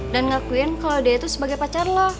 dan ngakuin kalau dia itu sebagai pacar lo